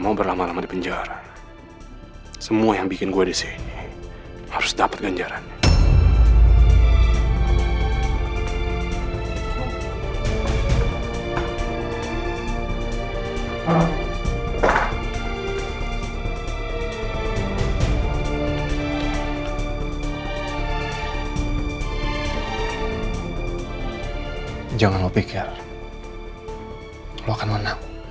mau berlama lama di penjara semua yang bikin gue di sini harus dapat ganjaran